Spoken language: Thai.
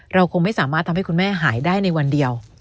คงไม่สามารถทำให้คุณแม่หายได้ในวันเดียว